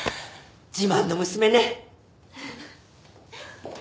自慢の娘ね！